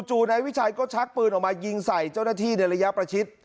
นายวิชัยก็ชักปืนออกมายิงใส่เจ้าหน้าที่ในระยะประชิด